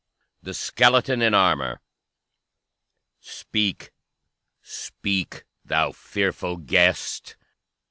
THE SKELETON IN ARMOR "Speak! speak! thou fearful guest!